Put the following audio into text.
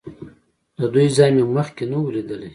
د دوی ځای مې مخکې نه و لیدلی.